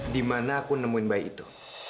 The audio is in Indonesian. dimana aku nemuin bayi itu